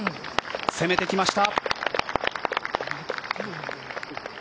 攻めてきました。